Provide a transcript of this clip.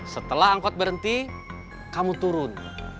setelah angkot berhenti kamu turun